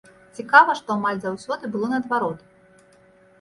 Цікава, што амаль заўсёды было наадварот!